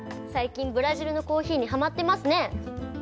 最近ブラジルのコーヒーにはまってますね。